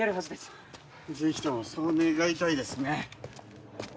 ぜひともそう願いたいですね。